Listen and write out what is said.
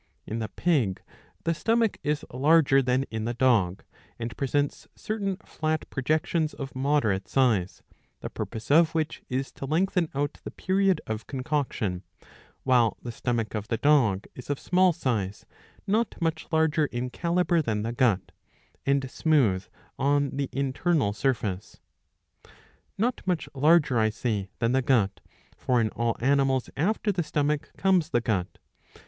In the pig the stomach is larger than in the dog, and presents certain flat projections of moderate size, the purpose of whidh is to lengthen out the period of concoction ; while the stomach of the dog is of small size, not much larger in calibre than the gut, and smooth on the internal surface.^ Not much larger, I say, than the gut ; for in all animals after the stomach comes the gut.